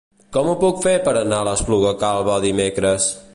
Com ho puc fer per anar a l'Espluga Calba dimecres?